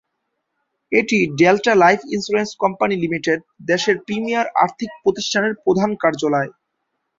এটি Delta Life Insurance Company Limited, দেশের premier আর্থিক প্রতিষ্ঠানের প্রধান কার্যালয়।